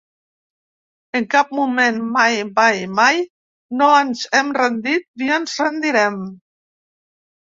En cap moment, mai, mai, mai, no ens hem rendit ni ens rendirem.